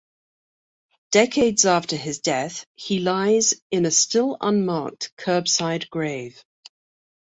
Decades after his death, he lies in a still-unmarked curbside grave.